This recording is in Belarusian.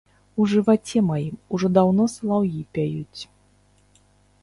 У жываце маім ужо даўно салаўі пяюць.